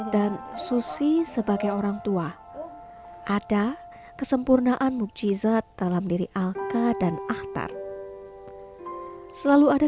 dan susi sebagai orangtua ada kesempurnaan mujizat dalam diri alka dan aktar selalu ada